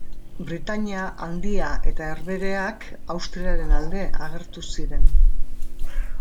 Britainia Handia eta Herbehereak Austriaren alde agertu ziren.